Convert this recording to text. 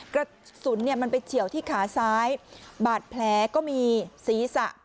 กระสุนเนี่ยมันไปเฉียวที่ขาซ้ายบาดแผลก็มีศีรษะ